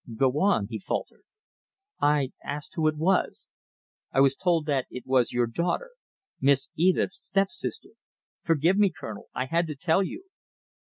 "Go on!" he faltered. "I asked who it was. I was told that it was your daughter! Miss Edith's step sister! Forgive me, Colonel! I had to tell you!"